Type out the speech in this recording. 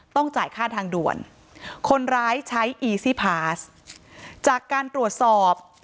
จ่ายค่าทางด่วนคนร้ายใช้อีซี่พาสจากการตรวจสอบ